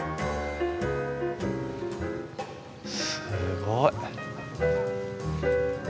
すごい。